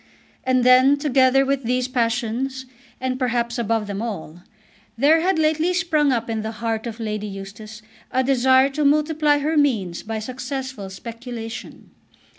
And then, together with these passions, and perhaps above them all, there had lately sprung up in the heart of Lady Eustace a desire to multiply her means by successful speculation.